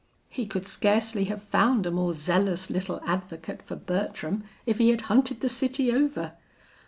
"He could scarcely have found a more zealous little advocate for Bertram if he had hunted the city over.